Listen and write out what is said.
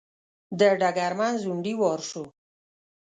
د ډګرمن ځونډي وار شو.